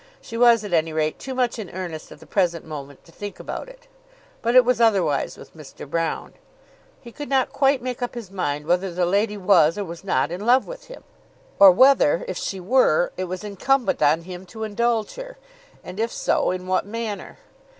She was at any rate too much in earnest at the present moment to think about it. But it was otherwise with Mr. Broune. He could not quite make up his mind whether the lady was or was not in love with him, or whether, if she were, it was incumbent on him to indulge her; and if so, in what manner.